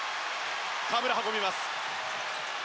河村、運びます。